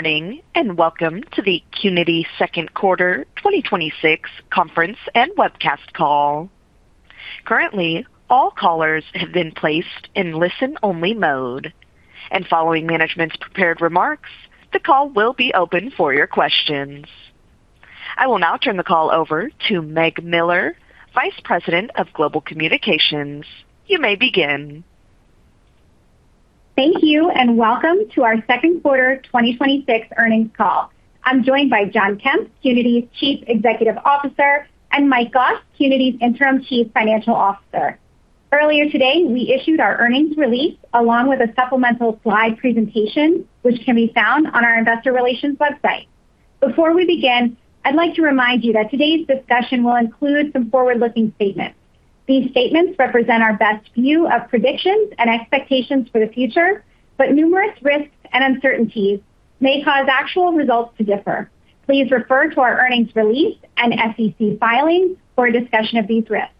Good morning, and welcome to the Qnity second quarter 2026 conference and webcast call. Currently, all callers have been placed in listen-only mode. Following management's prepared remarks, the call will be open for your questions. I will now turn the call over to Meg Miller, Vice President of Global Communications. You may begin. Thank you. Welcome to our second quarter 2026 earnings call. I'm joined by Jon Kemp, Qnity's Chief Executive Officer, and Mike Goss, Qnity's Interim Chief Financial Officer. Earlier today, we issued our earnings release along with a supplemental slide presentation, which can be found on our investor relations website. Before we begin, I'd like to remind you that today's discussion will include some forward-looking statements. These statements represent our best view of predictions and expectations for the future, but numerous risks and uncertainties may cause actual results to differ. Please refer to our earnings release and SEC filings for a discussion of these risks.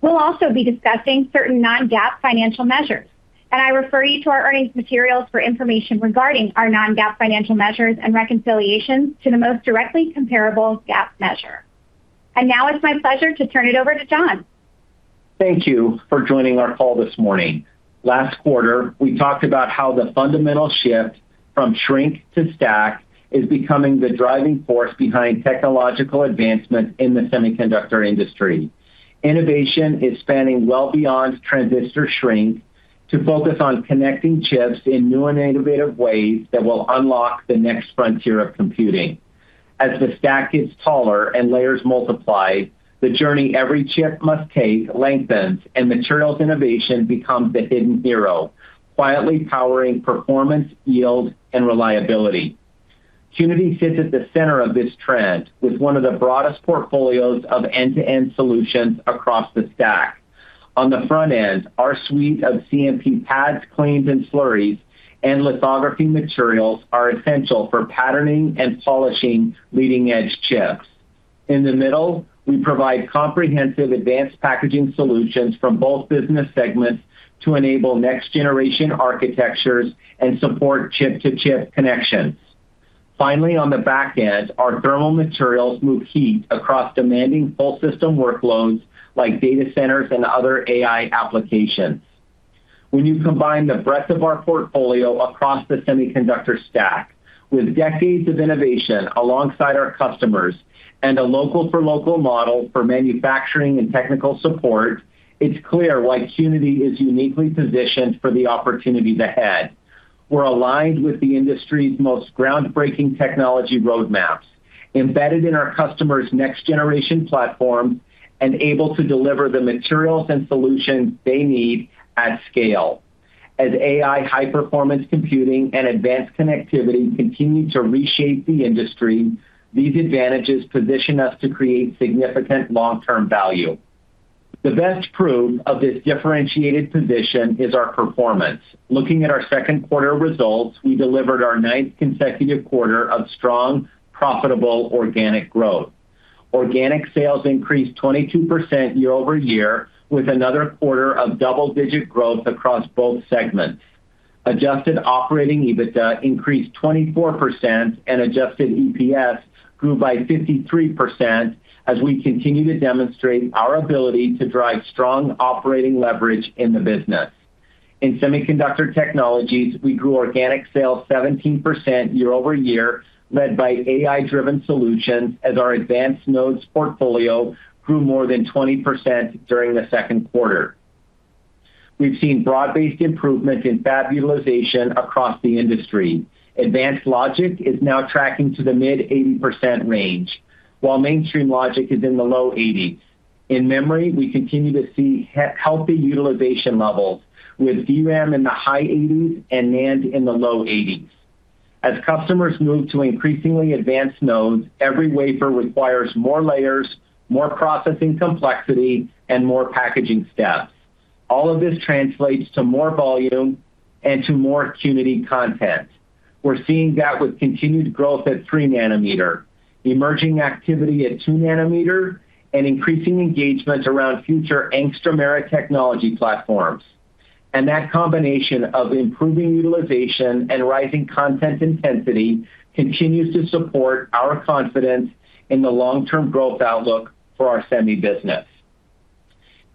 We'll also be discussing certain non-GAAP financial measures, and I refer you to our earnings materials for information regarding our non-GAAP financial measures and reconciliations to the most directly comparable GAAP measure. Now it's my pleasure to turn it over to Jon. Thank you for joining our call this morning. Last quarter, we talked about how the fundamental shift from shrink to stack is becoming the driving force behind technological advancement in the semiconductor industry. Innovation is spanning well beyond transistor shrink to focus on connecting chips in new and innovative ways that will unlock the next frontier of computing. As the stack gets taller and layers multiply, the journey every chip must take lengthens, and materials innovation becomes the hidden hero, quietly powering performance, yield, and reliability. Qnity sits at the center of this trend with one of the broadest portfolios of end-to-end solutions across the stack. On the front end, our suite of CMP pads, cleans, and slurries and lithography materials are essential for patterning and polishing leading-edge chips. In the middle, we provide comprehensive advanced packaging solutions from both business segments to enable next-generation architectures and support chip-to-chip connections. Finally, on the back end, our thermal materials move heat across demanding full system workloads like data centers and other AI applications. When you combine the breadth of our portfolio across the semiconductor stack with decades of innovation alongside our customers and a local for local model for manufacturing and technical support, it's clear why Qnity is uniquely positioned for the opportunities ahead. We're aligned with the industry's most groundbreaking technology roadmaps embedded in our customer's next generation platform and able to deliver the materials and solutions they need at scale. As AI high performance computing and advanced connectivity continue to reshape the industry, these advantages position us to create significant long-term value. The best proof of this differentiated position is our performance. Looking at our second quarter results, we delivered our ninth consecutive quarter of strong, profitable organic growth. Organic sales increased 22% year-over-year with another quarter of double-digit growth across both segments. Adjusted operating EBITDA increased 24%, adjusted EPS grew by 53% as we continue to demonstrate our ability to drive strong operating leverage in the business. In Semiconductor Technologies, we grew organic sales 17% year-over-year, led by AI-driven solutions as our advanced nodes portfolio grew more than 20% during the second quarter. We've seen broad-based improvements in fab utilization across the industry. Advanced logic is now tracking to the mid-80% range, while mainstream logic is in the low 80%. In memory, we continue to see healthy utilization levels with DRAM in the high 80% and NAND in the low 80%. As customers move to increasingly advanced nodes, every wafer requires more layers, more processing complexity, and more packaging steps. All of this translates to more volume and to more Qnity content. We're seeing that with continued growth at three nanometer, the emerging activity at two nanometer, and increasing engagement around future angstrom-era technology platforms. That combination of improving utilization and rising content intensity continues to support our confidence in the long-term growth outlook for our semi business.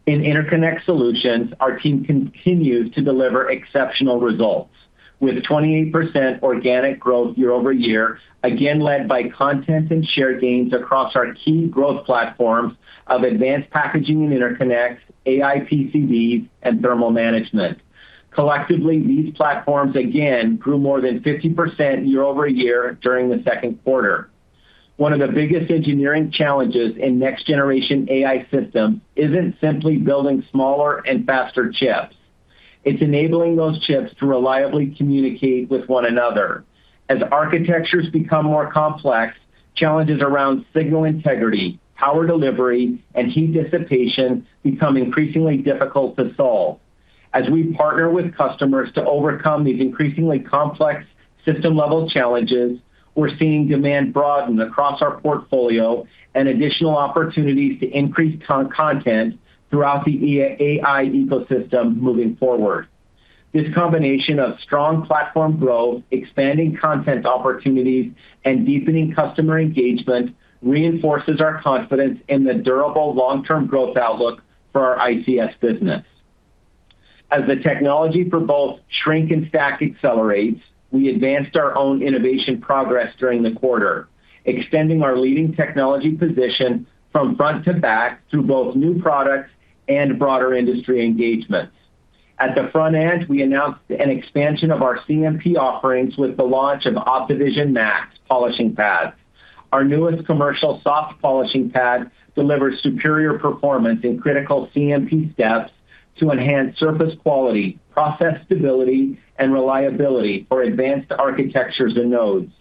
In Interconnect Solutions, our team continues to deliver exceptional results, with 28% organic growth year-over-year, again led by content and share gains across our key growth platforms of advanced packaging and interconnect, AI PCBs, and thermal management. Collectively, these platforms again grew more than 50% year-over-year during the second quarter. One of the biggest engineering challenges in next-generation AI system isn't simply building smaller and faster chips. It's enabling those chips to reliably communicate with one another. As architectures become more complex, challenges around signal integrity, power delivery, and heat dissipation become increasingly difficult to solve. As we partner with customers to overcome these increasingly complex system-level challenges, we're seeing demand broaden across our portfolio and additional opportunities to increase content throughout the AI ecosystem moving forward. This combination of strong platform growth, expanding content opportunities, and deepening customer engagement reinforces our confidence in the durable long-term growth outlook for our ICS business. As the technology for both shrink and stack accelerates, we advanced our own innovation progress during the quarter, extending our leading technology position from front to back through both new products and broader industry engagements. At the front end, we announced an expansion of our CMP offerings with the launch of Optivision Max polishing pad. Our newest commercial soft polishing pad delivers superior performance in critical CMP steps to enhance surface quality, process stability, and reliability for advanced architectures and nodes.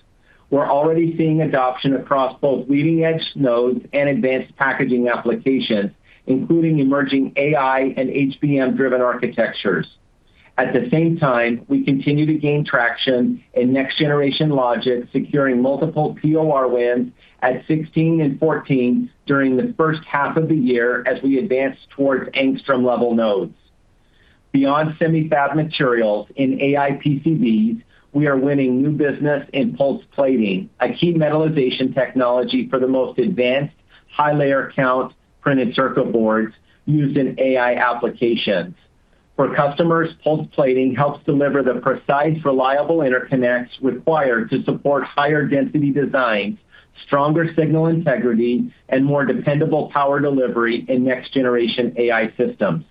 We're already seeing adoption across both leading-edge nodes and advanced packaging applications, including emerging AI and HBM-driven architectures. At the same time, we continue to gain traction in next-generation logic, securing multiple POR wins at 16 and 14 during the first half of the year, as we advance towards angstrom-level nodes. Beyond semi-fab materials in AI PCBs, we are winning new business in pulse plating, a key metalization technology for the most advanced high-layer count printed circuit boards used in AI applications. For customers, pulse plating helps deliver the precise, reliable interconnects required to support higher density designs, stronger signal integrity, and more dependable power delivery in next-generation AI systems.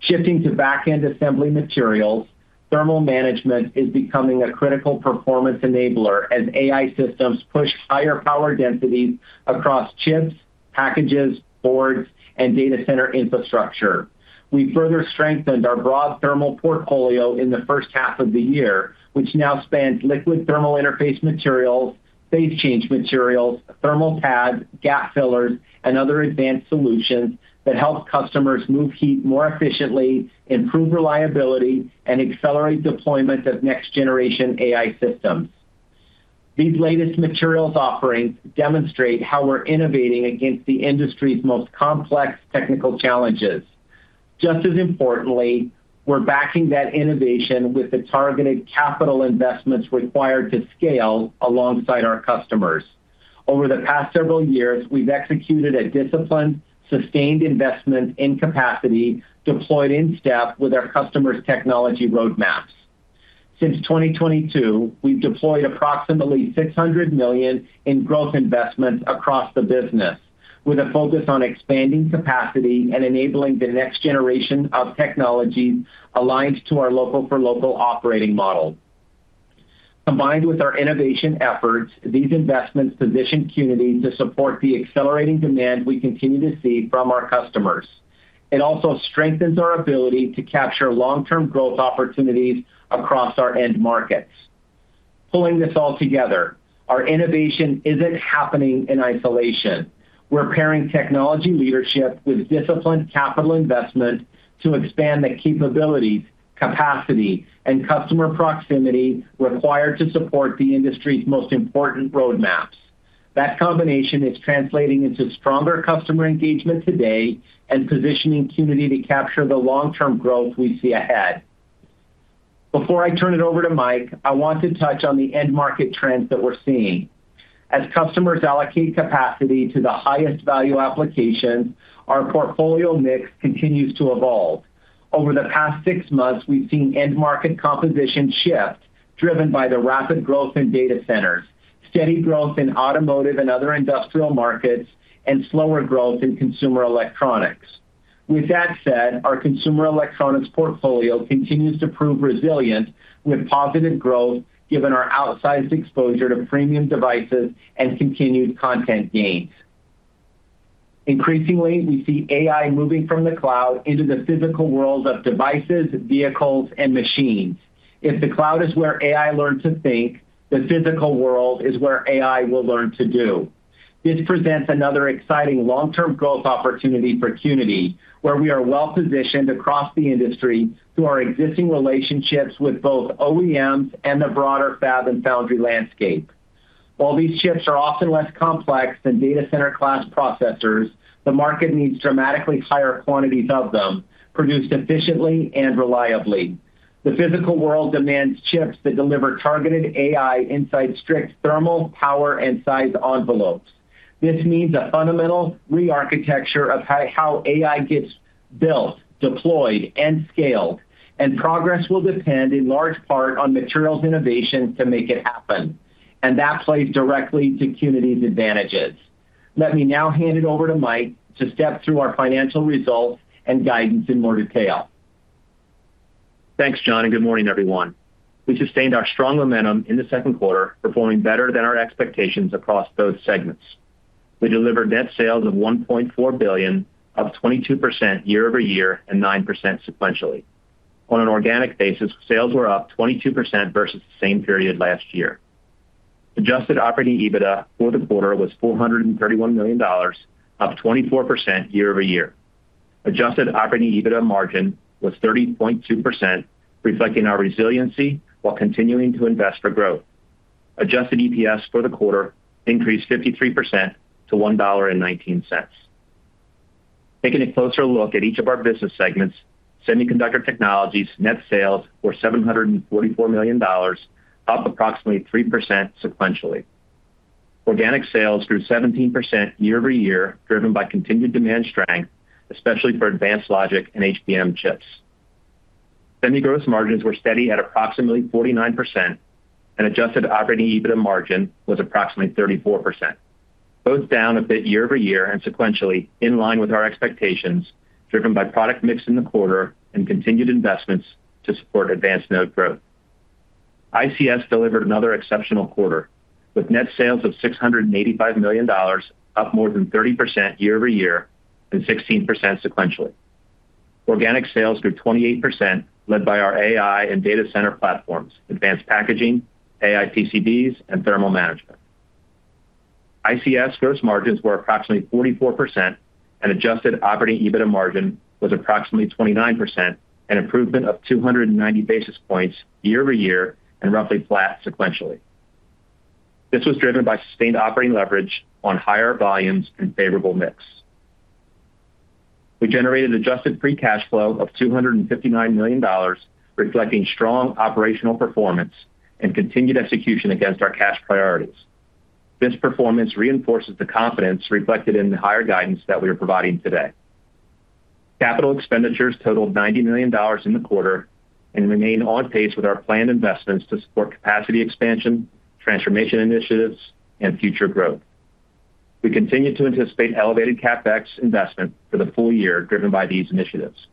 Shifting to back-end assembly materials, thermal management is becoming a critical performance enabler as AI systems push higher power densities across chips, packages, boards, and data center infrastructure. We further strengthened our broad thermal portfolio in the first half of the year, which now spans liquid thermal interface materials, phase change materials, thermal pads, gap fillers, and other advanced solutions that help customers move heat more efficiently, improve reliability, and accelerate deployment of next-generation AI systems. These latest materials offerings demonstrate how we're innovating against the industry's most complex technical challenges. Just as importantly, we're backing that innovation with the targeted capital investments required to scale alongside our customers. Over the past several years, we've executed a disciplined, sustained investment in capacity, deployed in step with our customers' technology roadmaps. Since 2022, we've deployed approximately $600 million in growth investments across the business, with a focus on expanding capacity and enabling the next generation of technologies aligned to our local for local operating model. Combined with our innovation efforts, these investments position Qnity to support the accelerating demand we continue to see from our customers. It also strengthens our ability to capture long-term growth opportunities across our end markets. Pulling this all together, our innovation isn't happening in isolation. We're pairing technology leadership with disciplined capital investment to expand the capabilities, capacity, and customer proximity required to support the industry's most important roadmaps. That combination is translating into stronger customer engagement today and positioning Qnity to capture the long-term growth we see ahead. Before I turn it over to Mike, I want to touch on the end market trends that we're seeing. As customers allocate capacity to the highest value applications, our portfolio mix continues to evolve. Over the past six months, we've seen end market composition shift, driven by the rapid growth in data centers, steady growth in automotive and other industrial markets, and slower growth in consumer electronics. With that said, our consumer electronics portfolio continues to prove resilient with positive growth given our outsized exposure to premium devices and continued content gains. Increasingly, we see AI moving from the cloud into the physical world of devices, vehicles, and machines. If the cloud is where AI learns to think, the physical world is where AI will learn to do. This presents another exciting long-term growth opportunity for Qnity, where we are well positioned across the industry through our existing relationships with both OEMs and the broader fab and foundry landscape. While these chips are often less complex than data center class processors, the market needs dramatically higher quantities of them produced efficiently and reliably. The physical world demands chips that deliver targeted AI inside strict thermal power and size envelopes. This means a fundamental re-architecture of how AI gets built, deployed, and scaled, and progress will depend in large part on materials innovation to make it happen, and that plays directly to Qnity's advantages. Let me now hand it over to Mike to step through our financial results and guidance in more detail. Thanks, Jon, and good morning, everyone. We sustained our strong momentum in the second quarter, performing better than our expectations across both segments. We delivered net sales of $1.4 billion, up 22% year-over-year and 9% sequentially. On an organic basis, sales were up 22% versus the same period last year. Adjusted operating EBITDA for the quarter was $431 million, up 24% year-over-year. Adjusted operating EBITDA margin was 30.2%, reflecting our resiliency while continuing to invest for growth. Adjusted EPS for the quarter increased 53% to $1.19. Taking a closer look at each of our business segments, Semiconductor Technologies net sales were $744 million, up approximately 3% sequentially. Organic sales grew 17% year-over-year, driven by continued demand strength, especially for advanced logic and HBM chips. Semi gross margins were steady at approximately 49%, and adjusted operating EBITDA margin was approximately 34%. Both down a bit year-over-year and sequentially, in line with our expectations, driven by product mix in the quarter and continued investments to support advanced node growth. ICS delivered another exceptional quarter, with net sales of $685 million, up more than 30% year-over-year and 16% sequentially. Organic sales grew 28%, led by our AI and data center platforms, advanced packaging, AI PCBs, and thermal management. ICS gross margins were approximately 44% and adjusted operating EBITDA margin was approximately 29%, an improvement of 290 basis points year-over-year and roughly flat sequentially. This was driven by sustained operating leverage on higher volumes and favorable mix. We generated adjusted free cash flow of $259 million, reflecting strong operational performance and continued execution against our cash priorities. This performance reinforces the confidence reflected in the higher guidance that we are providing today. Capital expenditures totaled $90 million in the quarter and remain on pace with our planned investments to support capacity expansion, transformation initiatives, and future growth. We continue to anticipate elevated CapEx investment for the full-year driven by these initiatives.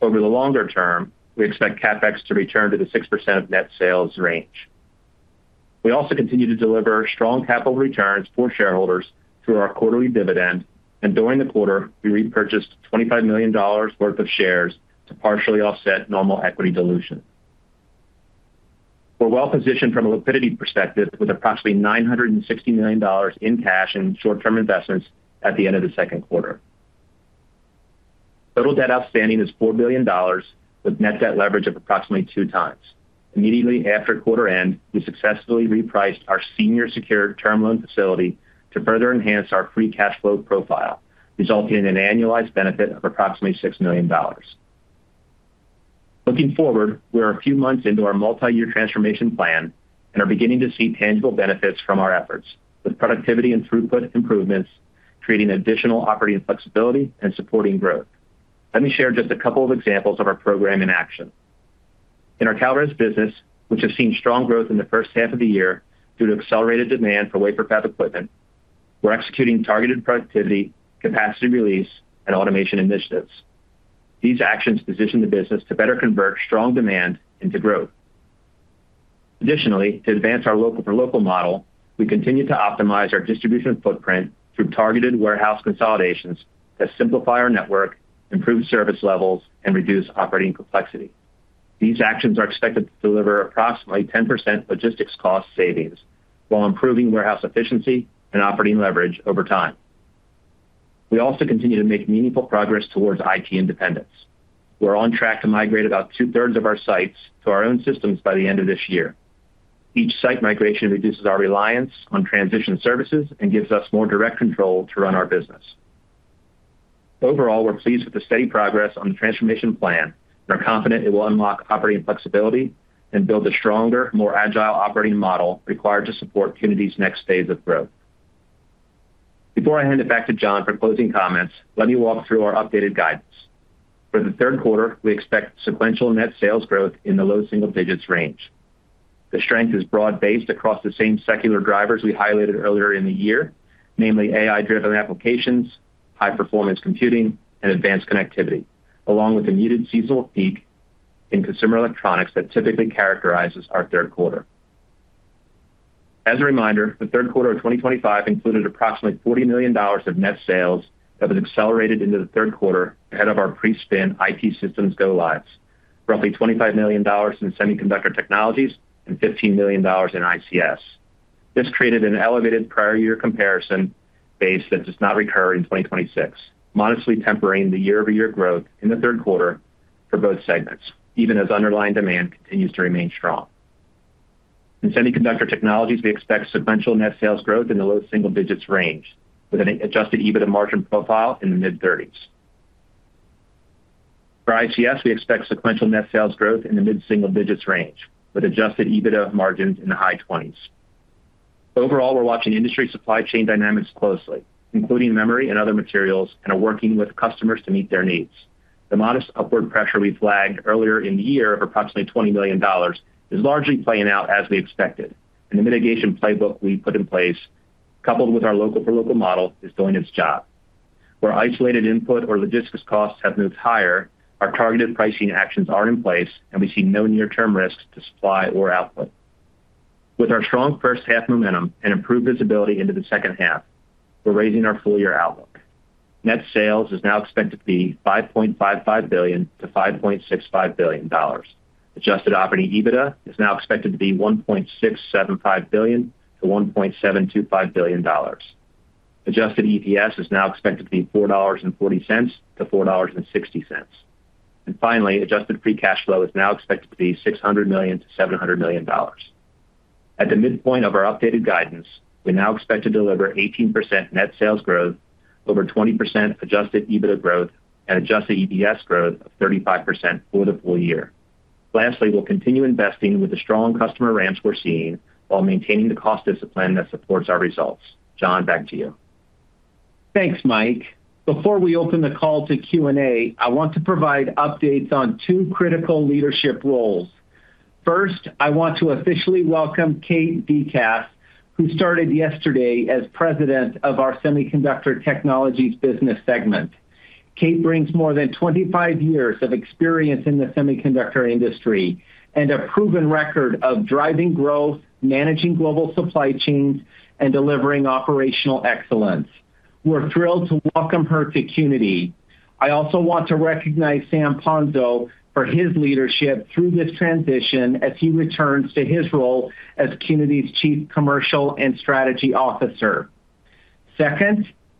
Over the longer term, we expect CapEx to return to the 6% net sales range. We also continue to deliver strong capital returns for shareholders through our quarterly dividend, and during the quarter, we repurchased $25 million worth of shares to partially offset normal equity dilution. We are well-positioned from a liquidity perspective with approximately $960 million in cash and short-term investments at the end of the second quarter. Total debt outstanding is $4 billion, with net debt leverage of approximately 2x. Immediately after quarter end, we successfully repriced our senior secured term loan facility to further enhance our free cash flow profile, resulting in an annualized benefit of approximately $6 million. Looking forward, we are a few months into our multi-year transformation plan and are beginning to see tangible benefits from our efforts, with productivity and throughput improvements creating additional operating flexibility and supporting growth. Let me share just a couple of examples of our program in action. In our Kalrez business, which has seen strong growth in the first half of the year due to accelerated demand for wafer fab equipment, we are executing targeted productivity, capacity release, and automation initiatives. These actions position the business to better convert strong demand into growth. Additionally, to advance our local model, we continue to optimize our distribution footprint through targeted warehouse consolidations that simplify our network, improve service levels, and reduce operating complexity. These actions are expected to deliver approximately 10% logistics cost savings while improving warehouse efficiency and operating leverage over time. We also continue to make meaningful progress towards IT independence. We're on track to migrate about 2/3 of our sites to our own systems by the end of this year. Each site migration reduces our reliance on transition services and gives us more direct control to run our business. Overall, we're pleased with the steady progress on the transformation plan and are confident it will unlock operating flexibility and build a stronger, more agile operating model required to support Qnity's next phase of growth. Before I hand it back to Jon for closing comments, let me walk through our updated guidance. For the third quarter, we expect sequential net sales growth in the low single digits range. The strength is broad-based across the same secular drivers we highlighted earlier in the year, namely AI-driven applications, high-performance computing, and advanced connectivity, along with the muted seasonal peak in consumer electronics that typically characterizes our third quarter. As a reminder, the third quarter of 2025 included approximately $40 million of net sales that was accelerated into the third quarter ahead of our pre-spin IT systems go lives, roughly $25 million in Semiconductor Technologies and $15 million in ICS. This created an elevated prior year comparison base that does not recur in 2026, modestly tempering the year-over-year growth in the third quarter for both segments, even as underlying demand continues to remain strong. In Semiconductor Technologies, we expect sequential net sales growth in the low single digits range with an adjusted EBITDA margin profile in the mid-30s. For ICS, we expect sequential net sales growth in the mid-single digits range with adjusted EBITDA margins in the high 20s. Overall, we're watching industry supply chain dynamics closely, including memory and other materials, and are working with customers to meet their needs. The modest upward pressure we flagged earlier in the year of approximately $20 million is largely playing out as we expected, and the mitigation playbook we put in place, coupled with our local model, is doing its job. Where isolated input or logistics costs have moved higher, our targeted pricing actions are in place, and we see no near-term risk to supply or output. With our strong first half momentum and improved visibility into the second half, we're raising our full-year outlook. Net sales is now expected to be $5.55 billion-$5.65 billion. Adjusted operating EBITDA is now expected to be $1.675 billion-$1.725 billion. Adjusted EPS is now expected to be $4.40-$4.60. Finally, adjusted free cash flow is now expected to be $600 million-$700 million. At the midpoint of our updated guidance, we now expect to deliver 18% net sales growth, over 20% adjusted EBITDA growth, and adjusted EPS growth of 35% for the full-year. Lastly, we'll continue investing with the strong customer ramps we're seeing while maintaining the cost discipline that supports our results. Jon, back to you. Thanks, Mike. Before we open the call to Q&A, I want to provide updates on two critical leadership roles. First, I want to officially welcome Kate Dei Cas, who started yesterday as President of our Semiconductor Technologies business segment. Kate brings more than 25 years of experience in the semiconductor industry and a proven record of driving growth, managing global supply chains, and delivering operational excellence. We're thrilled to welcome her to Qnity. I also want to recognize Sam Ponzo for his leadership through this transition as he returns to his role as Qnity's Chief Commercial and Strategy Officer.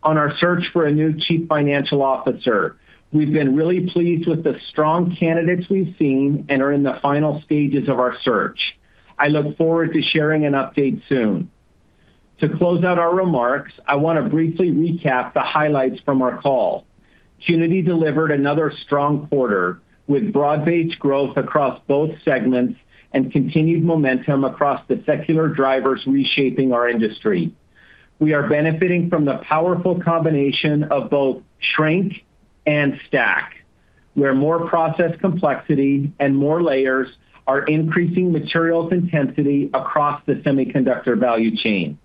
On our search for a new Chief Financial Officer, we've been really pleased with the strong candidates we've seen and are in the final stages of our search. I look forward to sharing an update soon. To close out our remarks, I want to briefly recap the highlights from our call. Qnity delivered another strong quarter, with broad-based growth across both segments and continued momentum across the secular drivers reshaping our industry. We are benefiting from the powerful combination of both shrink and stack, where more process complexity and more layers are increasing materials intensity across the semiconductor value chain.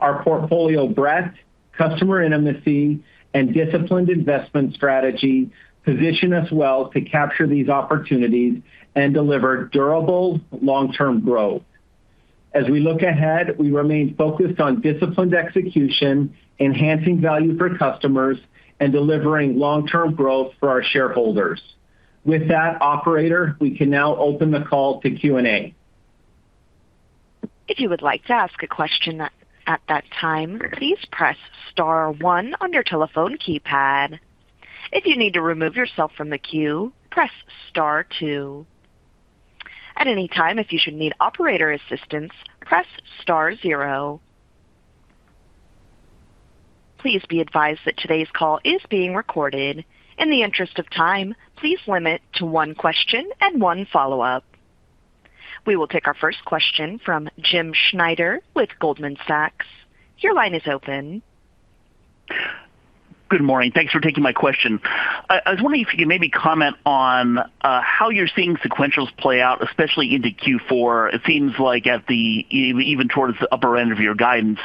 Our portfolio breadth, customer intimacy, and disciplined investment strategy position us well to capture these opportunities and deliver durable long-term growth. As we look ahead, we remain focused on disciplined execution, enhancing value for customers, and delivering long-term growth for our shareholders. With that, operator, we can now open the call to Q&A. If you would like to ask a question at that time, please press star one on your telephone keypad. If you need to remove yourself from the queue, press star two. At any time, if you should need operator assistance, press star zero. Please be advised that today's call is being recorded. In the interest of time, please limit to one question and one follow-up. We will take our first question from Jim Schneider with Goldman Sachs. Your line is open. Good morning. Thanks for taking my question. I was wondering if you could maybe comment on how you're seeing sequentials play out, especially into Q4. It seems like even towards the upper end of your guidance,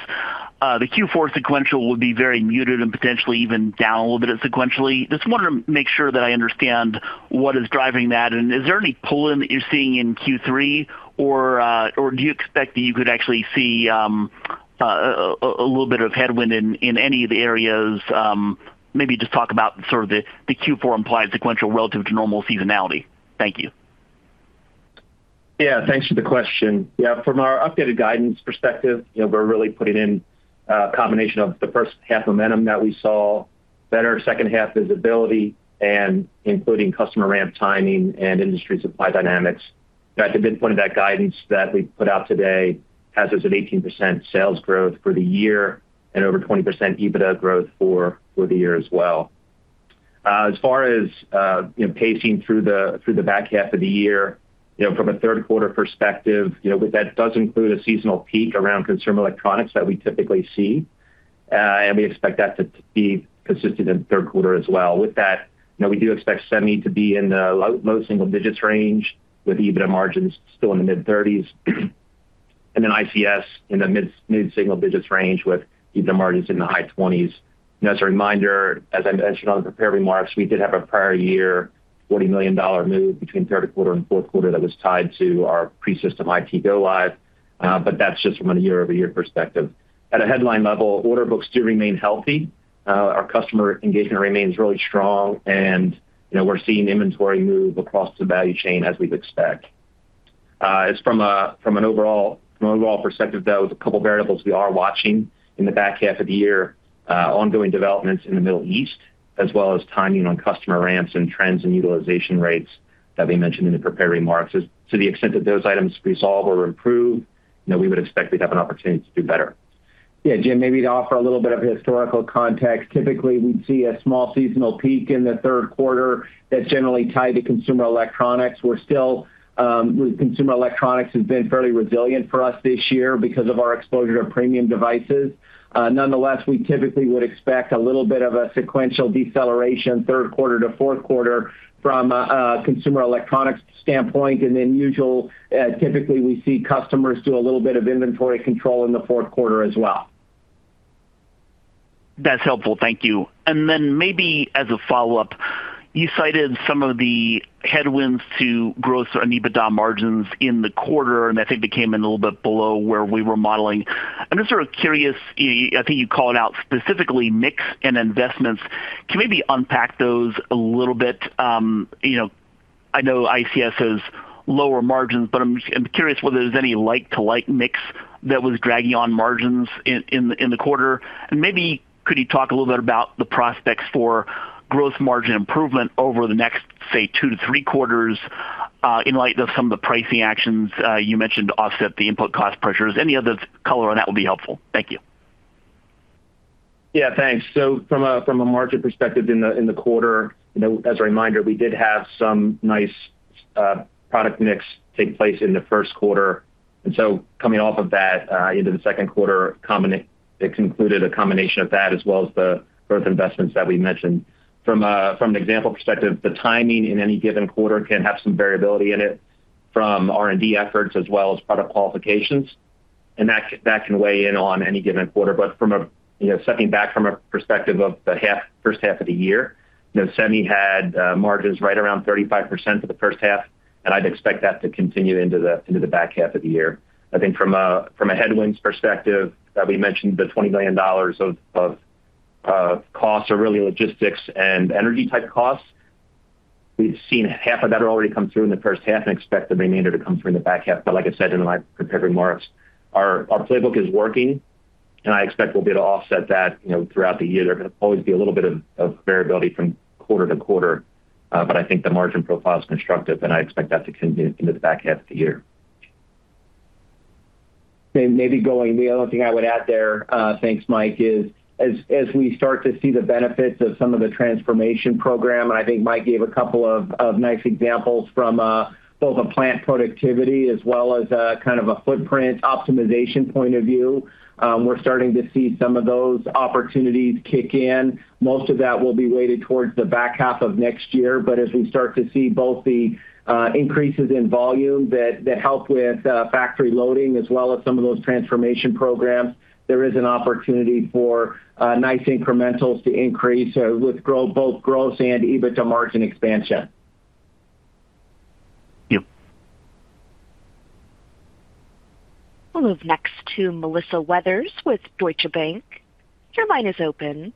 the Q4 sequential would be very muted and potentially even down a little bit sequentially. Just wanted to make sure that I understand what is driving that, is there any pull-in that you're seeing in Q3, or do you expect that you could actually see a little bit of headwind in any of the areas? Maybe just talk about sort of the Q4 implied sequential relative to normal seasonality. Thank you. Thanks for the question. From our updated guidance perspective, we're really putting in a combination of the first half momentum that we saw, better second half visibility, and including customer ramp timing and industry supply dynamics. At the midpoint of that guidance that we put out today has us at 18% sales growth for the year and over 20% EBITDA growth for the year as well. As far as pacing through the back half of the year, from a third quarter perspective, that does include a seasonal peak around consumer electronics that we typically see, and we expect that to be consistent in the third quarter as well. With that, we do expect semi to be in the low single digits range with EBITDA margins still in the mid-30s, and then ICS in the mid-single digits range with EBITDA margins in the high 20s. As a reminder, as I mentioned on the prepared remarks, we did have a prior year $40 million move between third quarter and fourth quarter that was tied to our pre-system IT go live, but that's just from a year-over-year perspective. At a headline level, order books do remain healthy. Our customer engagement remains really strong, and we're seeing inventory move across the value chain as we've expect. From an overall perspective, though, with a couple of variables we are watching in the back half of the year, ongoing developments in the Middle East, as well as timing on customer ramps and trends and utilization rates that we mentioned in the prepared remarks. To the extent that those items resolve or improve, we would expect we'd have an opportunity to do better. Jim, maybe to offer a little bit of historical context. Typically, we'd see a small seasonal peak in the third quarter that's generally tied to consumer electronics. Consumer electronics has been fairly resilient for us this year because of our exposure to premium devices. Nonetheless, we typically would expect a little bit of a sequential deceleration third quarter to fourth quarter from a consumer electronics standpoint, then typically we see customers do a little bit of inventory control in the fourth quarter as well. That's helpful. Thank you. Then maybe as a follow-up, you cited some of the headwinds to growth or EBITDA margins in the quarter, and I think they came in a little bit below where we were modeling. I'm just sort of curious, I think you called out specifically mix and investments. Can you maybe unpack those a little bit? I know ICS has lower margins, but I'm curious whether there's any like-to-like mix that was dragging on margins in the quarter. Maybe could you talk a little bit about the prospects for growth margin improvement over the next, say, two to three quarters, in light of some of the pricing actions you mentioned to offset the input cost pressures. Any other color on that would be helpful. Thank you. Thanks. From a margin perspective in the quarter, as a reminder, we did have some nice product mix take place in the first quarter. Coming off of that into the second quarter, it concluded a combination of that as well as the growth investments that we mentioned. From an example perspective, the timing in any given quarter can have some variability in it from R&D efforts as well as product qualifications, and that can weigh in on any given quarter. Stepping back from a perspective of the first half of the year, semi had margins right around 35% for the first half, and I'd expect that to continue into the back half of the year. From a headwinds perspective, we mentioned the $20 million of costs are really logistics and energy type costs. We've seen half of that already come through in the first half and expect the remainder to come through in the back half. Like I said in my prepared remarks, our playbook is working, and I expect we'll be able to offset that throughout the year. There's going to always be a little bit of variability from quarter to quarter, but I think the margin profile is constructive, and I expect that to continue into the back half of the year. The only thing I would add there, thanks, Mike, is as we start to see the benefits of some of the transformation program, and I think Mike gave a couple of nice examples from both a plant productivity as well as a kind of a footprint optimization point of view. We're starting to see some of those opportunities kick in. Most of that will be weighted towards the back half of next year, but as we start to see both the increases in volume that help with factory loading as well as some of those transformation programs, there is an opportunity for nice incrementals to increase with both gross and EBITDA margin expansion. Thank you. We'll move next to Melissa Weathers with Deutsche Bank. Your line is open.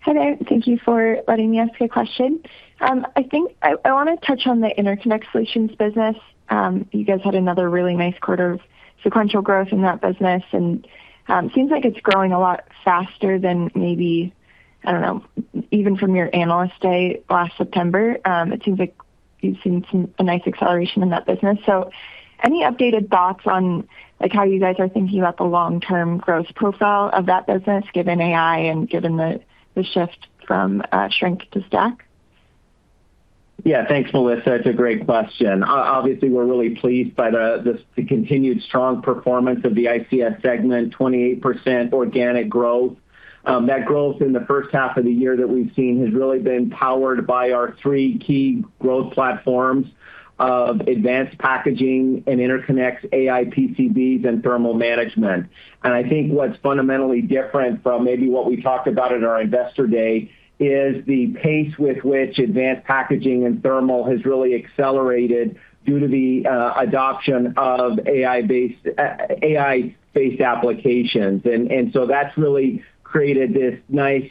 Hello, thank you for letting me ask a question. I want to touch on the Interconnect Solutions business. You guys had another really nice quarter of sequential growth in that business, it seems like it's growing a lot faster than maybe, I don't know, even from your Analyst Day last September. It seems like you've seen a nice acceleration in that business. Any updated thoughts on how you guys are thinking about the long-term growth profile of that business, given AI and given the shift from shrink to stack? Yeah. Thanks, Melissa. It's a great question. Obviously, we're really pleased by the continued strong performance of the ICS segment, 28% organic growth. That growth in the first half of the year that we've seen has really been powered by our three key growth platforms of advanced packaging and interconnects, AI PCBs, and thermal management. I think what's fundamentally different from maybe what we talked about at our Investor Day is the pace with which advanced packaging and thermal has really accelerated due to the adoption of AI-based applications. That's really created this nice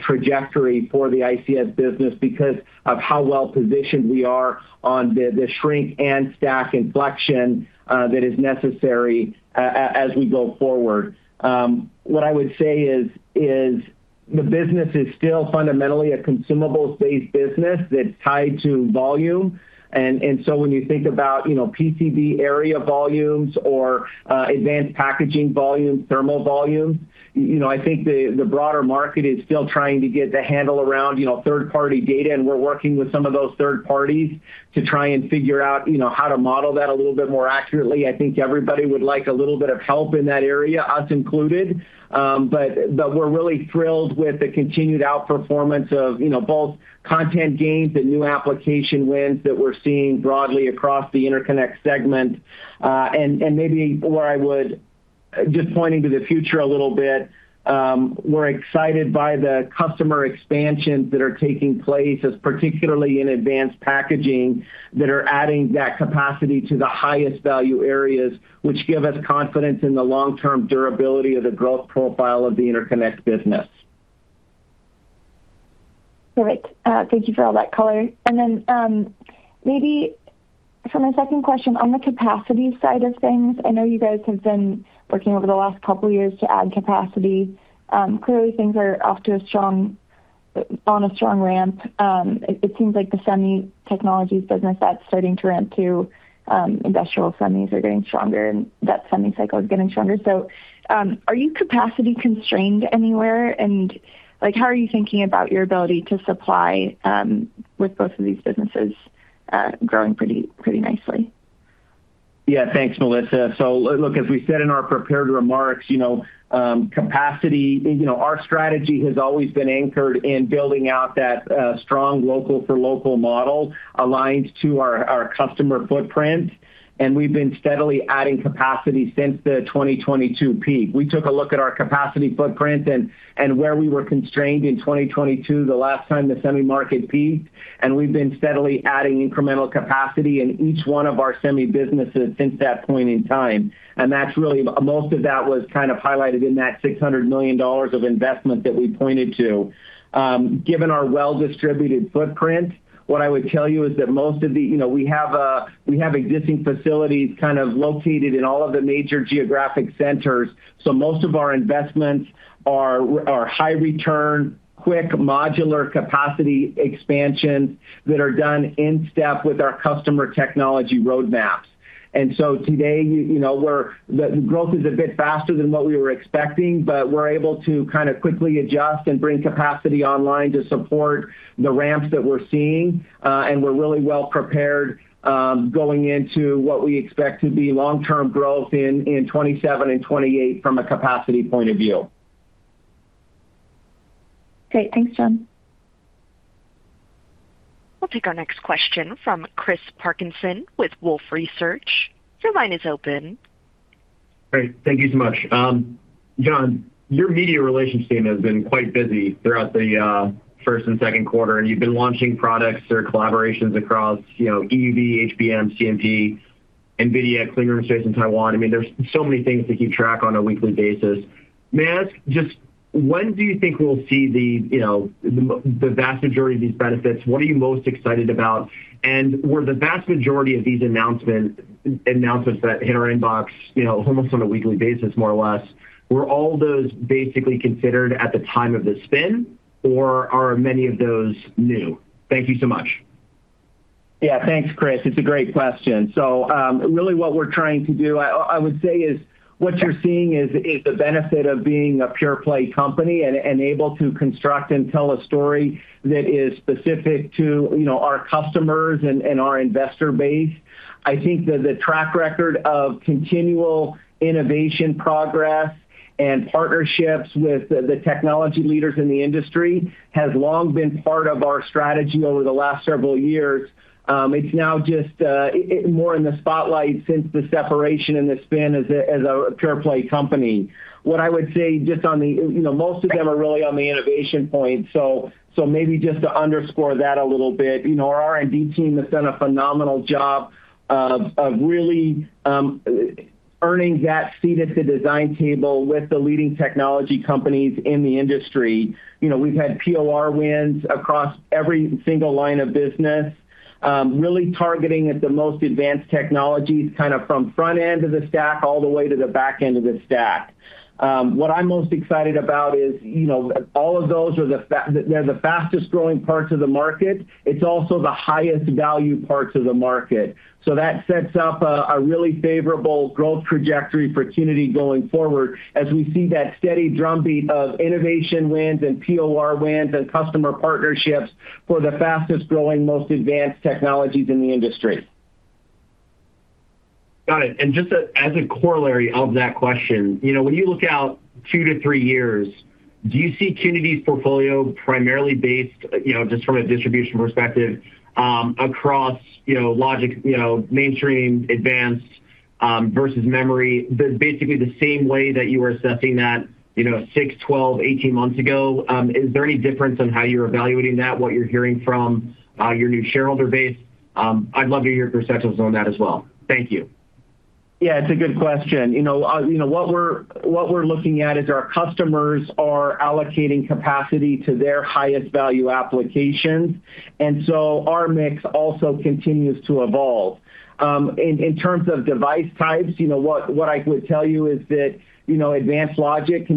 trajectory for the ICS business because of how well-positioned we are on the shrink and stack inflection that is necessary as we go forward. What I would say is the business is still fundamentally a consumable-based business that's tied to volume. When you think about PCB area volumes or advanced packaging volumes, thermal volumes, I think the broader market is still trying to get the handle around third-party data, and we're working with some of those third parties to try and figure out how to model that a little bit more accurately. I think everybody would like a little bit of help in that area, us included. We're really thrilled with the continued outperformance of both content gains and new application wins that we're seeing broadly across the interconnect segment. Maybe where I would just point into the future a little bit, we're excited by the customer expansions that are taking place, as particularly in advanced packaging, that are adding that capacity to the highest value areas, which give us confidence in the long-term durability of the growth profile of the interconnect business. Perfect. Thank you for all that color. Maybe for my second question on the capacity side of things, I know you guys have been working over the last couple of years to add capacity. Clearly things are off to a strong ramp. It seems like the Semiconductor Technologies business, that's starting to ramp too. Industrial semis are getting stronger, and that semi cycle is getting stronger. Are you capacity constrained anywhere? How are you thinking about your ability to supply with both of these businesses growing pretty nicely? Yeah. Thanks, Melissa. Look, as we said in our prepared remarks, our strategy has always been anchored in building out that strong local for local model aligned to our customer footprint, we've been steadily adding capacity since the 2022 peak. We took a look at our capacity footprint and where we were constrained in 2022, the last time the semi market peaked, we've been steadily adding incremental capacity in each one of our semi businesses since that point in time. Most of that was kind of highlighted in that $600 million of investment that we pointed to. Given our well-distributed footprint, what I would tell you is that we have existing facilities kind of located in all of the major geographic centers, most of our investments are high return, quick modular capacity expansions that are done in step with our customer technology roadmaps. Today, the growth is a bit faster than what we were expecting, we're able to kind of quickly adjust and bring capacity online to support the ramps that we're seeing. We're really well prepared, going into what we expect to be long-term growth in 2027 and 2028 from a capacity point of view. Great. Thanks, Jon. We'll take our next question from Chris Parkinson with Wolfe Research. Your line is open. Great. Thank you so much. Jon, your media relations team has been quite busy throughout the first and second quarter, you've been launching products or collaborations across EV, HBM, CMP, NVIDIA, Clean Room Space in Taiwan. There's so many things to keep track on a weekly basis. May I ask, just when do you think we'll see the vast majority of these benefits? What are you most excited about? Were the vast majority of these announcements that hit our inbox almost on a weekly basis, more or less, were all those basically considered at the time of the spin, or are many of those new? Thank you so much. Thanks, Chris. It's a great question. Really what we're trying to do, I would say is what you're seeing is the benefit of being a pure play company and able to construct and tell a story that is specific to our customers and our investor base. I think that the track record of continual innovation progress and partnerships with the technology leaders in the industry has long been part of our strategy over the last several years. It's now just more in the spotlight since the separation and the spin as a pure play company. What I would say, most of them are really on the innovation point, maybe just to underscore that a little bit. Our R&D team has done a phenomenal job of really earning that seat at the design table with the leading technology companies in the industry. We've had POR wins across every single line of business, really targeting at the most advanced technologies, kind of from front end of the stack all the way to the back end of the stack. What I'm most excited about is, all of those, they're the fastest growing parts of the market. It's also the highest value parts of the market. That sets up a really favorable growth trajectory for Qnity going forward as we see that steady drumbeat of innovation wins and POR wins and customer partnerships for the fastest growing, most advanced technologies in the industry. Got it. Just as a corollary of that question, when you look out two to three years, do you see Qnity's portfolio primarily based, just from a distribution perspective, across logic, mainstream, advanced, versus memory, basically the same way that you were assessing that six, 12, 18 months ago? Is there any difference in how you're evaluating that, what you're hearing from your new shareholder base? I'd love to hear your perspectives on that as well. Thank you. Yeah, it's a good question. What we're looking at is our customers are allocating capacity to their highest value applications, our mix also continues to evolve. In terms of device types, what I would tell you is that advanced logic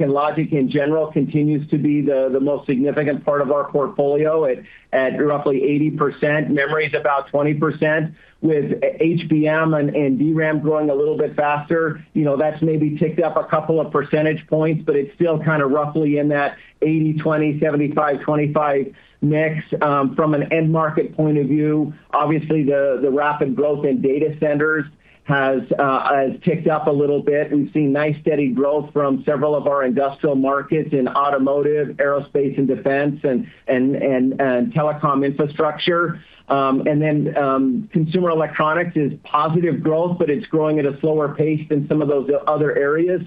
and logic in general continues to be the most significant part of our portfolio at roughly 80%. Memory is about 20%, with HBM and DRAM growing a little bit faster. That's maybe ticked up a couple of percentage points, but it's still kind of roughly in that 80/20, 75/25 mix. From an end market point of view, obviously the rapid growth in data centers has ticked up a little bit. We've seen nice steady growth from several of our industrial markets in automotive, aerospace and defense and telecom infrastructure. Consumer electronics is positive growth, but it's growing at a slower pace than some of those other areas.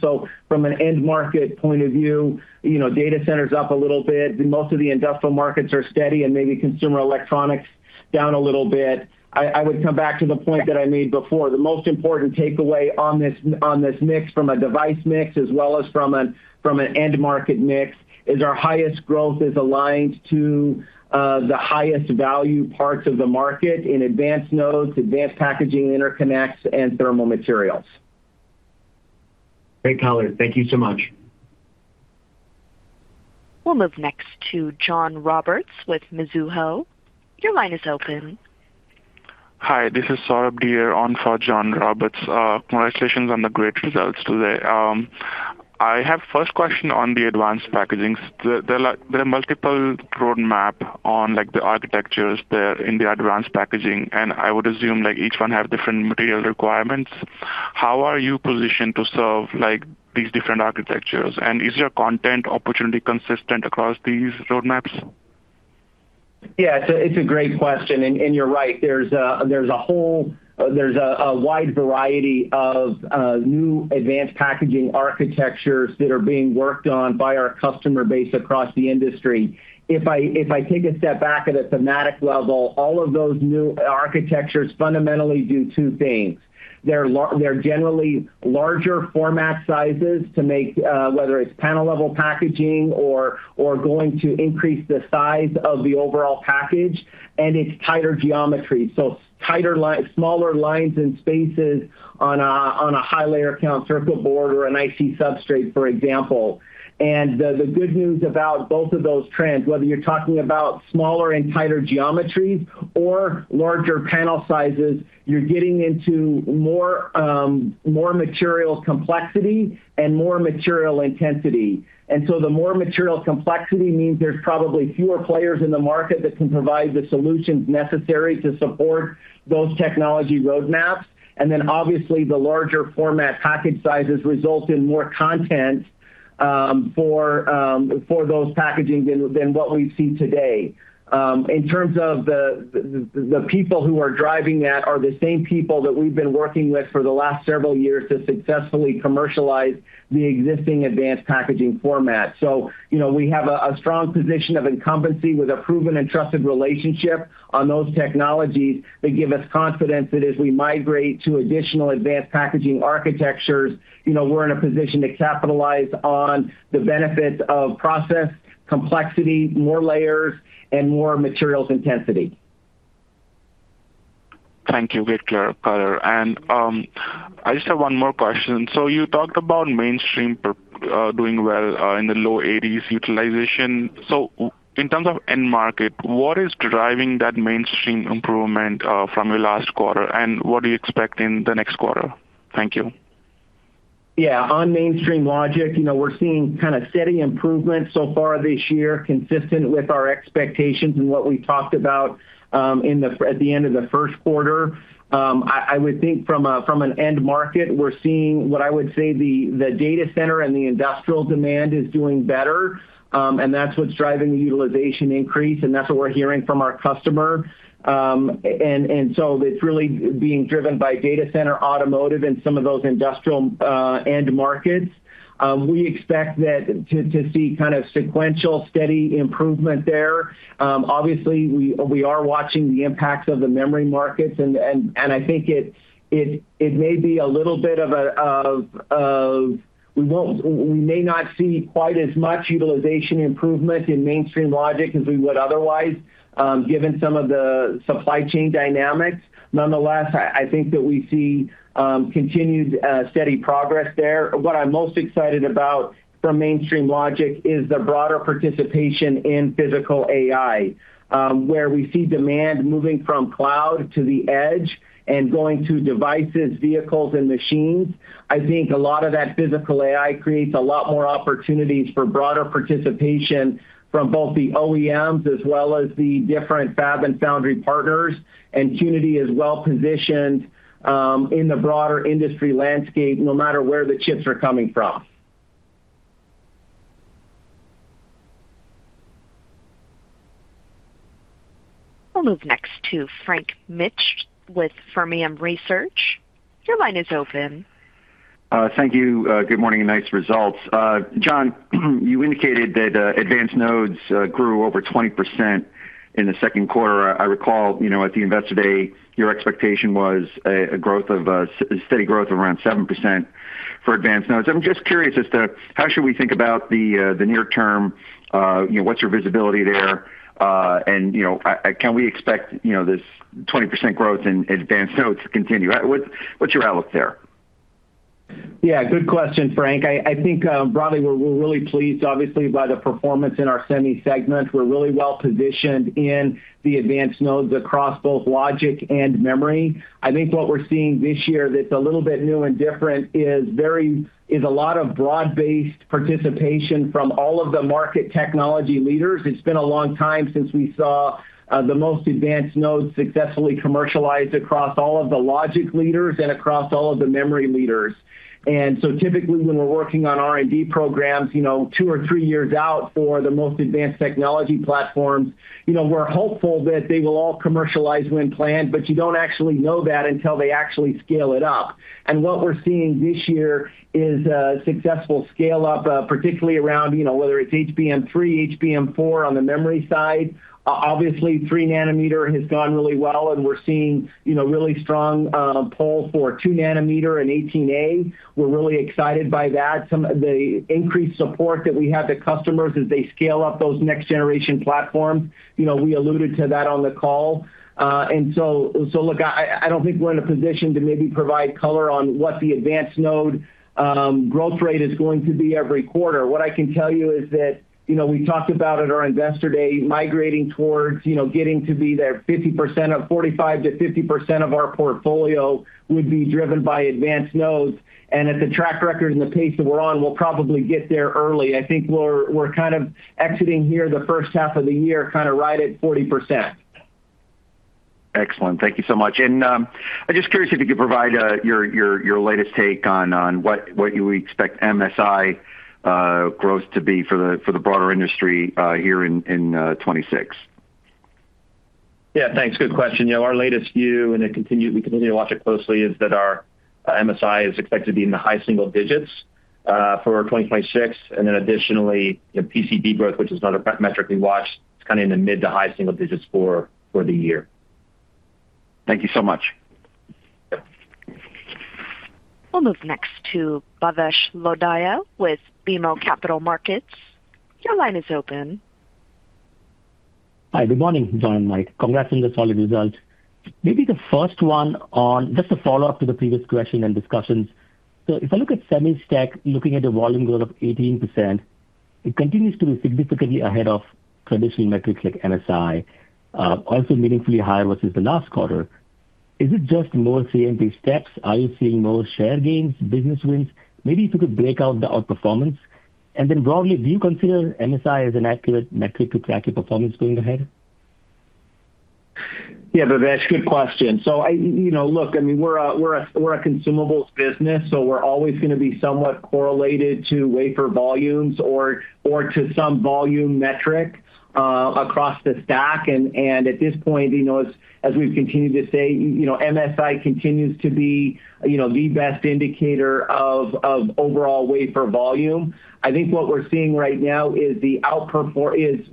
From an end market point of view, data centers up a little bit. Most of the industrial markets are steady and maybe consumer electronics down a little bit. I would come back to the point that I made before. The most important takeaway on this mix from a device mix as well as from an end market mix is our highest growth is aligned to the highest value parts of the market in advanced nodes, advanced packaging interconnects, and thermal materials. Great color. Thank you so much. We'll move next to John Roberts with Mizuho. Your line is open. Hi, this is Saurabh Dhir on for John Roberts. Congratulations on the great results today. I have first question on the advanced packagings. There are multiple roadmap on the architectures there in the advanced packaging, and I would assume each one have different material requirements. How are you positioned to serve these different architectures, and is your content opportunity consistent across these roadmaps? Yeah. It's a great question, you're right. There's a wide variety of new advanced packaging architectures that are being worked on by our customer base across the industry. If I take a step back at a thematic level, all of those new architectures fundamentally do two things. They're generally larger format sizes to make, whether it's panel-level packaging or going to increase the size of the overall package, it's tighter geometry. Smaller lines and spaces on a high layer count circuit board or an IC substrate, for example. The good news about both of those trends, whether you're talking about smaller and tighter geometries or larger panel sizes, you're getting into more material complexity and more material intensity. The more material complexity means there's probably fewer players in the market that can provide the solutions necessary to support those technology roadmaps. Obviously, the larger format package sizes result in more content for those packaging than what we see today. In terms of the people who are driving that are the same people that we've been working with for the last several years to successfully commercialize the existing advanced packaging format. We have a strong position of incumbency with a proven and trusted relationship on those technologies that give us confidence that as we migrate to additional advanced packaging architectures, we're in a position to capitalize on the benefits of process complexity, more layers, and more materials intensity. Thank you. Great color. I just have one more question. You talked about mainstream doing well in the low 80s utilization. In terms of end market, what is driving that mainstream improvement from your last quarter, and what do you expect in the next quarter? Thank you. Yeah. On mainstream logic, we're seeing kind of steady improvement so far this year, consistent with our expectations and what we talked about at the end of the first quarter. I would think from an end market, we're seeing what I would say the data center and the industrial demand is doing better. That's what's driving the utilization increase, and that's what we're hearing from our customer. It's really being driven by data center, automotive, and some of those industrial end markets. We expect to see kind of sequential steady improvement there. Obviously, we are watching the impacts of the memory markets, and I think it may be a little bit of we may not see quite as much utilization improvement in mainstream logic as we would otherwise, given some of the supply chain dynamics. Nonetheless, I think that we see continued steady progress there. What I'm most excited about from mainstream logic is the broader participation in physical AI, where we see demand moving from cloud to the edge and going to devices, vehicles, and machines. I think a lot of that physical AI creates a lot more opportunities for broader participation from both the OEMs as well as the different fab and foundry partners. Qnity is well-positioned in the broader industry landscape, no matter where the chips are coming from. We'll move next to Frank Mitsch with Fermium Research. Your line is open. Thank you. Good morning, and nice results. Jon, you indicated that advanced nodes grew over 20% in the second quarter. I recall, at the Investor Day, your expectation was a steady growth around 7% for advanced nodes. I'm just curious as to how should we think about the near term, what's your visibility there? Can we expect this 20% growth in advanced nodes to continue? What's your outlook there? Good question, Frank. I think, broadly, we're really pleased obviously by the performance in our semi segment. We're really well-positioned in the advanced nodes across both logic and memory. I think what we're seeing this year that's a little bit new and different is a lot of broad-based participation from all of the market technology leaders. It's been a long time since we saw the most advanced nodes successfully commercialized across all of the logic leaders and across all of the memory leaders. Typically when we're working on R&D programs, two or three years out for the most advanced technology platforms, we're hopeful that they will all commercialize when planned, but you don't actually know that until they actually scale it up. What we're seeing this year is a successful scale-up, particularly around, whether it's HBM3, HBM4 on the memory side. Obviously, three nanometer has gone really well, and we're seeing really strong pull for 2 nm and 18A. We're really excited by that. Some of the increased support that we have the customers as they scale up those next generation platforms, we alluded to that on the call. Look, I don't think we're in a position to maybe provide color on what the advanced node growth rate is going to be every quarter. What I can tell you is that, we talked about at our Investor Day, migrating towards getting to be that 45%-50% of our portfolio would be driven by advanced nodes. At the track record and the pace that we're on, we'll probably get there early. I think we're kind of exiting here the first half of the year, kind of right at 40%. Excellent. Thank you so much. I'm just curious if you could provide your latest take on what you expect MSI growth to be for the broader industry here in 2026. Yeah, thanks. Good question. Our latest view, and we continue to watch it closely, is that our MSI is expected to be in the high single digits for 2026. Additionally, PCB growth, which is another metric we watch, it's kind of in the mid to high single digits for the year. Thank you so much. Yep. We'll move next to Bhavesh Lodaya with BMO Capital Markets. Your line is open. Hi, good morning, Jon and Mike. Congrats on the solid results. Maybe the first one on, just a follow-up to the previous question and discussions. If I look at semi stack, looking at the volume growth of 18%, it continues to be significantly ahead of traditional metrics like MSI, also meaningfully higher versus the last quarter. Is it just more CMP steps? Are you seeing more share gains, business wins? Maybe if you could break out the outperformance. And then broadly, do you consider MSI as an accurate metric to track your performance going ahead? Yeah, Bhavesh, good question. Look, we're a consumables business, so we're always going to be somewhat correlated to wafer volumes or to some volume metric across the stack. At this point, as we've continued to say, MSI continues to be the best indicator of overall wafer volume. I think what we're seeing right now is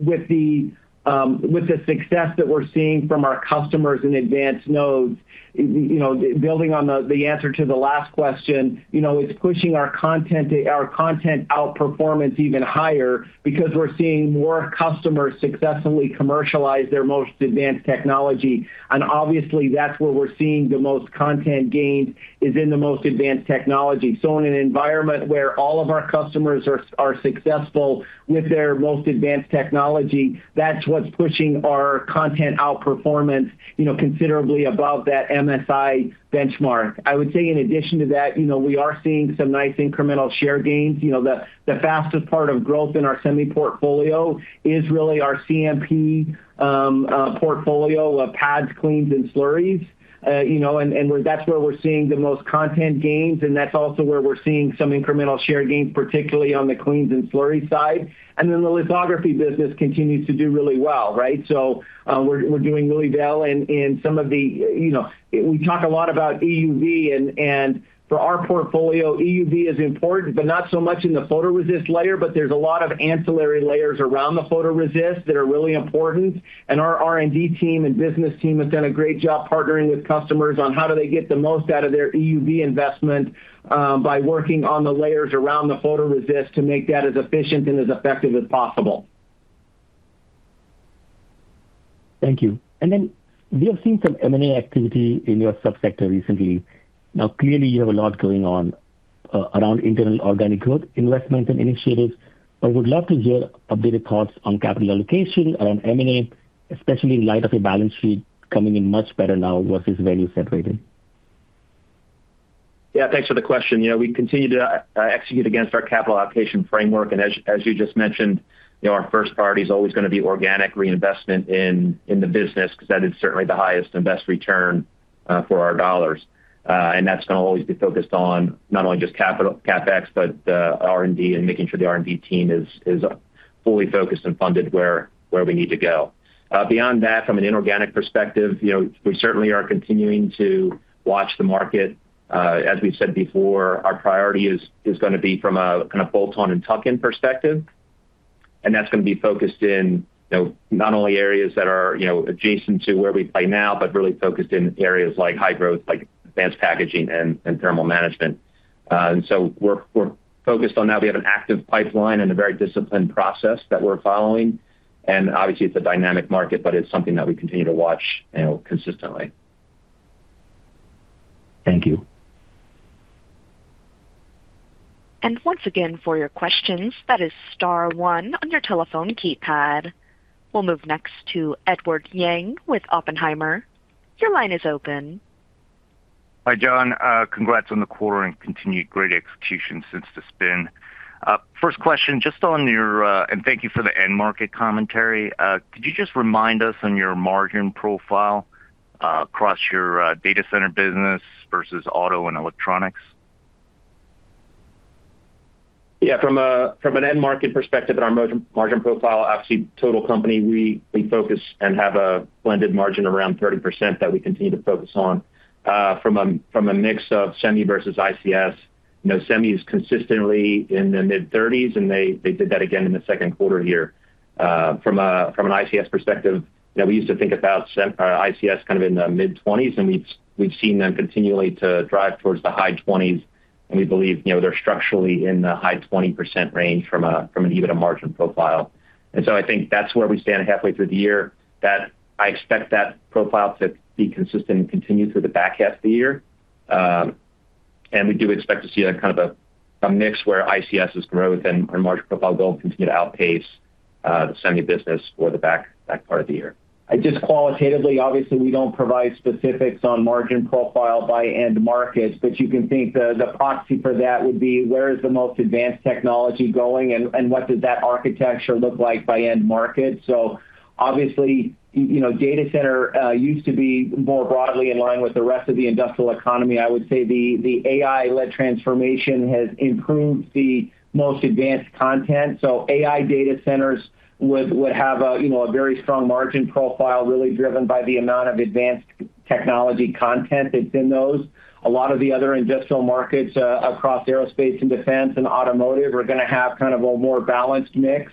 with the success that we're seeing from our customers in advanced nodes, building on the answer to the last question, it's pushing our content outperformance even higher because we're seeing more customers successfully commercialize their most advanced technology. Obviously that's where we're seeing the most content gains, is in the most advanced technology. In an environment where all of our customers are successful with their most advanced technology, that's what's pushing our content outperformance considerably above that MSI benchmark. I would say in addition to that, we are seeing some nice incremental share gains. The fastest part of growth in our semi portfolio is really our CMP portfolio of pads, cleans, and slurries. That's where we're seeing the most content gains, that's also where we're seeing some incremental share gains, particularly on the cleans and slurries side. The lithography business continues to do really well, right? We talk a lot about EUV. For our portfolio, EUV is important, not so much in the photoresist layer, there's a lot of ancillary layers around the photoresist that are really important. Our R&D team and business team has done a great job partnering with customers on how do they get the most out of their EUV investment by working on the layers around the photoresist to make that as efficient and as effective as possible. Thank you. We have seen some M&A activity in your sub-sector recently. Now, clearly, you have a lot going on around internal organic growth investments and initiatives. Would love to hear updated thoughts on capital allocation around M&A, especially in light of your balance sheet coming in much better now versus where you separated. Yeah, thanks for the question. We continue to execute against our capital allocation framework. As you just mentioned, our first priority is always going to be organic reinvestment in the business, because that is certainly the highest and best return for our dollars. That's going to always be focused on not only just CapEx, R&D and making sure the R&D team is fully focused and funded where we need to go. Beyond that, from an inorganic perspective, we certainly are continuing to watch the market. As we've said before, our priority is going to be from a kind of bolt-on and tuck-in perspective. That's going to be focused in not only areas that are adjacent to where we play now, really focused in areas like high growth, like advanced packaging and thermal management. We're focused on that. We have an active pipeline and a very disciplined process that we're following, and obviously it's a dynamic market, but it's something that we continue to watch consistently. Thank you. Once again for your questions, that is star one on your telephone keypad. We'll move next to Edward Yang with Oppenheimer. Your line is open. Hi, Jon. Congrats on the quarter and continued great execution since the spin. First question, and thank you for the end market commentary, could you just remind us on your margin profile across your data center business versus auto and electronics? Yeah. From an end market perspective on our margin profile, obviously total company, we focus and have a blended margin around 30% that we continue to focus on. From a mix of semi versus ICS, semi is consistently in the mid-30%, and they did that again in the second quarter here. From an ICS perspective, we used to think about ICS kind of in the mid-20%, and we've seen them continually to drive towards the high 20%, and we believe they're structurally in the high 20% range from an EBITDA margin profile. I think that's where we stand halfway through the year. I expect that profile to be consistent and continue through the back half of the year. We do expect to see a kind of a mix where ICS's growth and margin profile will continue to outpace the semi business for the back part of the year. Just qualitatively, obviously, we don't provide specifics on margin profile by end markets, but you can think the proxy for that would be where is the most advanced technology going, and what does that architecture look like by end market? Obviously, data center used to be more broadly in line with the rest of the industrial economy. I would say the AI-led transformation has improved the most advanced content. AI data centers would have a very strong margin profile, really driven by the amount of advanced technology content that's in those. A lot of the other industrial markets across aerospace and defense and automotive are going to have kind of a more balanced mix.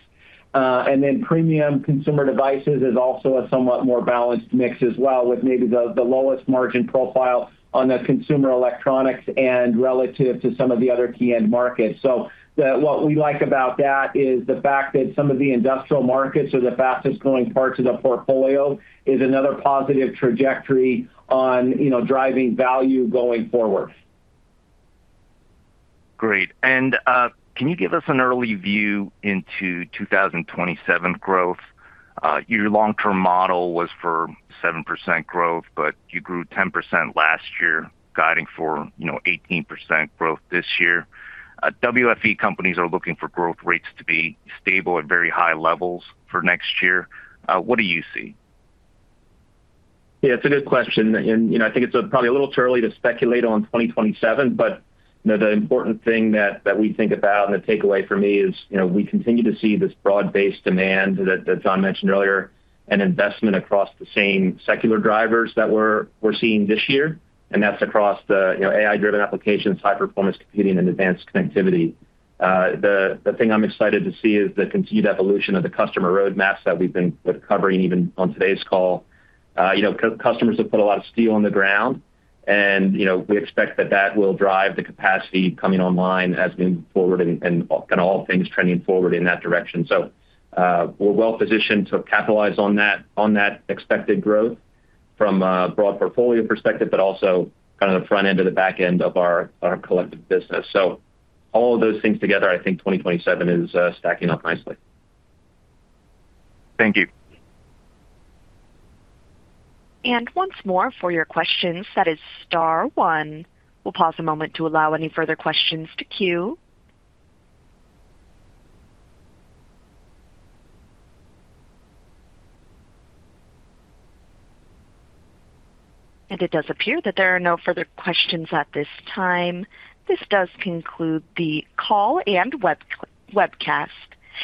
Premium consumer devices is also a somewhat more balanced mix as well, with maybe the lowest margin profile on the consumer electronics and relative to some of the other key end markets. What we like about that is the fact that some of the industrial markets are the fastest growing parts of the portfolio is another positive trajectory on driving value going forward. Great. Can you give us an early view into 2027 growth? Your long-term model was for 7% growth, but you grew 10% last year, guiding for 18% growth this year. WFE companies are looking for growth rates to be stable at very high levels for next year. What do you see? Yeah, it's a good question. I think it's probably a little too early to speculate on 2027, but the important thing that we think about and the takeaway for me is we continue to see this broad-based demand that Jon mentioned earlier, an investment across the same secular drivers that we're seeing this year, and that's across the AI-driven applications, high-performance computing, and advanced connectivity. The thing I'm excited to see is the continued evolution of the customer roadmaps that we've been covering even on today's call. Customers have put a lot of steel on the ground, and we expect that that will drive the capacity coming online as we move forward and all things trending forward in that direction. We're well-positioned to capitalize on that expected growth from a broad portfolio perspective, but also kind of the front end to the back end of our collective business. All of those things together, I think 2027 is stacking up nicely. Thank you. Once more for your questions, that is star one. We'll pause a moment to allow any further questions to queue. It does appear that there are no further questions at this time. This does conclude the call and webcast.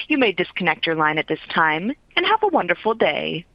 You may disconnect your line at this time, and have a wonderful day.